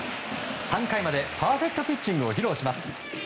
３回までパーフェクトピッチングを披露します。